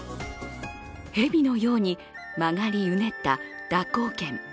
蛇のように曲がりうねった蛇行剣。